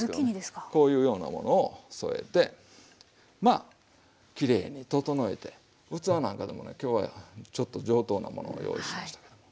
こういうようなものを添えてきれいに整えて器なんかでもね今日はちょっと上等なものを用意しましたけど。